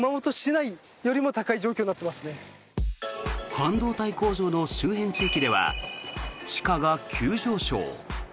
半導体工場の周辺地域では地価が急上昇。